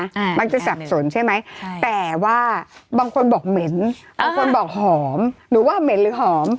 อ่ามันจะสับสนใช่ไหมใช่แต่ว่าบางคนบอกเหม็นบางคนบอกหอมหนูว่าเหม็นหรือหอม